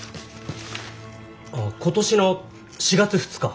あ今年の４月２日。